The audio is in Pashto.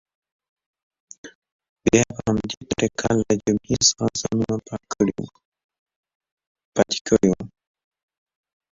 بیا یې په همدې طریقه له جبهې څخه ځانونه پاتې کړي.